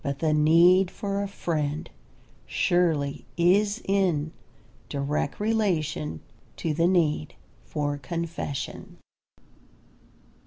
But the need for a friend surely is in direct relation to the need for confession.